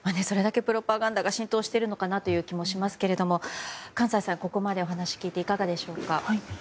それだけプロパガンダが浸透しているのかなという気もしますが閑歳さん、ここまでお話を聞いていかがでしょうか？